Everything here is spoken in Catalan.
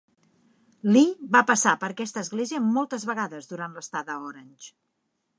Lee va passar per aquesta església moltes vegades durant l'estada a Orange.